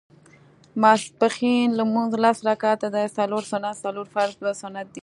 ماسپښېن لمونځ لس رکعته دی څلور سنت څلور فرض دوه سنت دي